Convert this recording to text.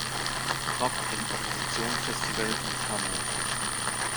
Rock in Opposition Festival in Carmaux.